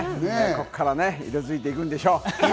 ここから色づいていくんでしょう。